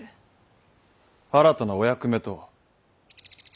新たなお役目とは？